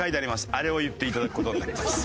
あれを言っていただく事になります。